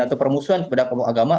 atau permusuhan kepada kelompok agama